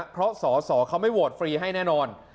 เพราะศเขาไม่โวทธฟรีให้แน่นอน